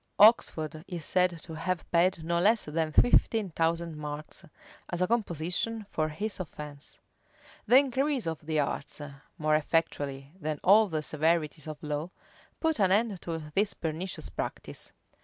Oxford is said to have paid no less than fifteen thousand marks, as a composition for his offence. The increase of the arts, more effectually than all the severities of law, put an end to this pernicious practice.